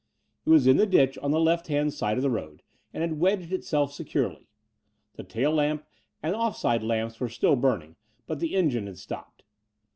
It was in the ditch on the left hand side of the road and had wedged itself securely. The tail lamp and off side lamps were still burning; but the engine had stopped.